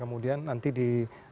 kemudian nanti di